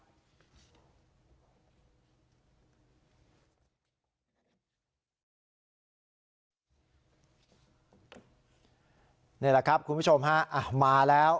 นี่แหละครับคุณผู้ชมฮะมาแล้ว